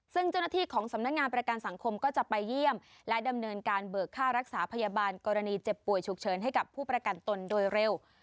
ซึ่งเจ้าหน้าที่ของสำนักงานประกันสังคมก็จะไปเยี่ยมและดำเนินการเบิกค่ารักษาพยาบาลกรณีเจ็บป่วยฉุกเฉินให้กับผู้ประกันตนโดยเร็ว